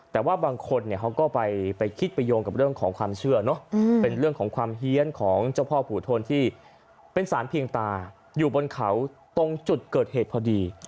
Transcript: แต่ว่าบางคนเขาก็ไปคิดไปโยงกับเรื่องของความเชื่อเนอะเป็นเรื่องของความเฮียนของเจ้าพ่อผูทนที่เป็นสารเพียงตาอยู่บนเขาตรงจุดเกิดเหตุพอดี